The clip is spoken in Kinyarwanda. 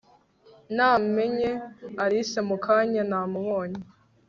namenye alice mukanya namubonye